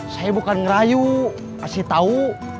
saya bukan ngerayu kasih tahu